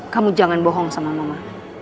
kamu jangan bohong sama mama